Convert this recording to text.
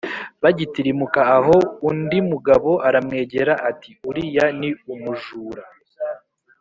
Bagitirimuka aho, undi mugabo aramwegera ati: “Uriya ni umumjura